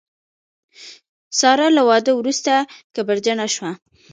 ساره له واده وروسته کبرجنه شوه.